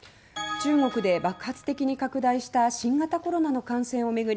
中国で爆発的に拡大した新型コロナの感染を巡り